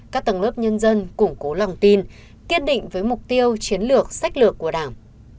các tầng lớp nhân dân củng cố lòng tin kiên định với mục tiêu chiến lược sách lược của đảng